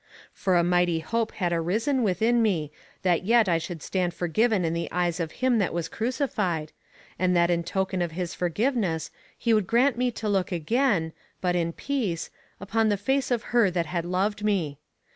For a mighty hope had arisen within me that yet I should stand forgiven in the eyes of him that was crucified, and that in token of his forgiveness he would grant me to look again, but in peace, upon the face of her that had loved me.